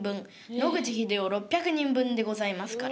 野口英世６００人分でございますから。